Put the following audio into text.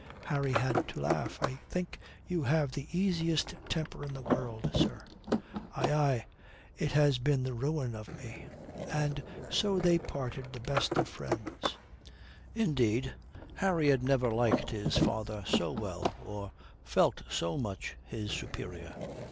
Harry had to laugh. "I think you have the easiest temper in the world, sir." "Aye, aye. It has been the ruin of me." And so they parted the best of friends. Indeed Harry had never liked his father so well or felt so much his superior.